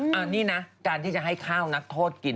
ถูกต้องนี่นะการที่จะให้ข้าวนักโทษกิน